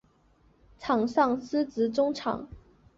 场上司职中场。